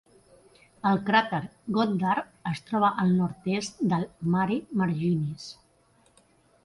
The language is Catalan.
El cràter Goddard es troba al nord-est del Mare Marginis.